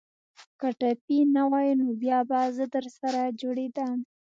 که ټپي نه واى نو بيا به زه درسره جوړېدم.